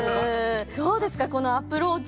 どうですか、このアプローチ。